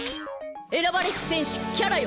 選ばれし戦士キャラよ！